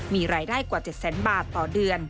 มีรายได้กว่า๗แสนบาทต่อเดือน